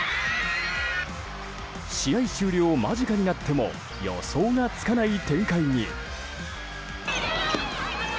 試合終了間近になっても予想がつかない展開に。